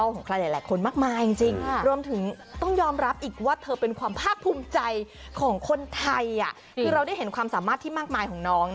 ของคนไทยคือเราได้เห็นความสามารถที่มากมายของน้อง